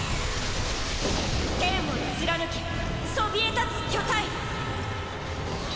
天を貫きそびえ立つ巨体！